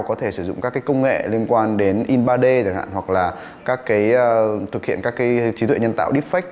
có thể sử dụng các công nghệ liên quan đến in ba d chẳng hạn hoặc là thực hiện các trí tuệ nhân tạo deepfake